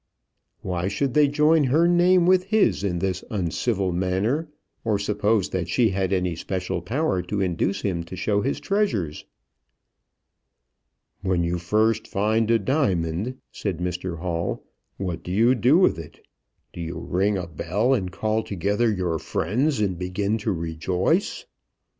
Why should they join her name with his in this uncivil manner, or suppose that she had any special power to induce him to show his treasures. "When you first find a diamond," said Mr Hall, "what do you do with it? Do you ring a bell and call together your friends, and begin to rejoice."